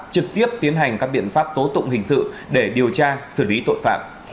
trực tiếp tiến hành các biện pháp tố tụng hình sự để điều tra xử lý tội phạm